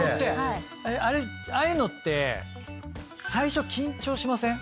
ああいうのって最初緊張しません？